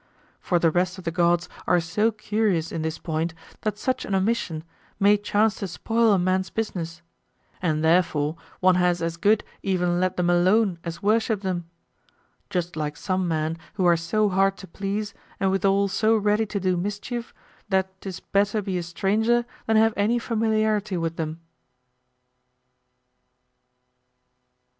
For the rest of the gods are so curious in this point that such an omission may chance to spoil a man's business; and therefore one has as good even let them alone as worship them: just like some men, who are so hard to please, and withall so ready to do mischief, that 'tis better be a stranger than have any familiarity with them.